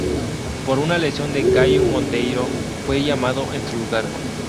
Por una lesión de Caio Monteiro, fue llamado en su lugar.